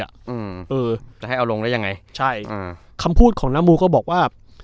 อืมเออจะให้เอาลงได้ยังไงใช่อืมคำพูดของน้ามูก็บอกว่า